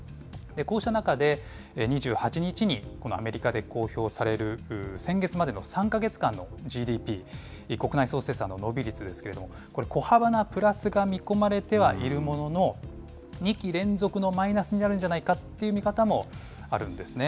こうした中で、２８日にアメリカで公表される先月までの３か月間のＧＤＰ・国内総生産の伸び率ですけれども、これ、小幅なプラスが見込まれているものの、２期連続のマイナスになるんじゃないかという見方もあるんですね。